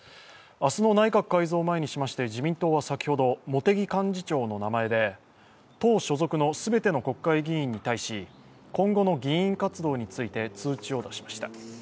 明日の内閣改造を前にしまして自民党は先ほど茂木幹事長の名前で党所属の全ての国会議員に対し今後の議員活動について通知を出しました。